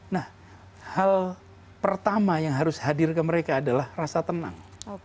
nah hal pertama yang harus hadir ke mereka adalah rasa tenang